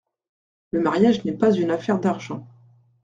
Le mariage n’est pas une affaire d’argent.